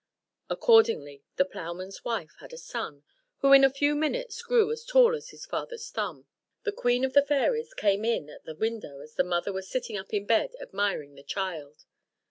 Accordingly, the ploughman's wife had a son, who in a few minutes grew as tall as his father's thumb. The queen of the fairies came in at the window as the mother was sitting up in bed admiring the child.